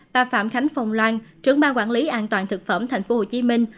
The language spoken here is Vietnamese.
bà phạm khánh phòng loan trưởng ba quản lý an toàn thực phẩm thành phố hồ chí minh